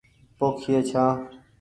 پوکئي ڇآن ۔